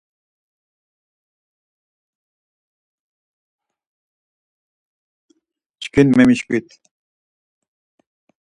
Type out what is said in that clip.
Çkin memişkvit.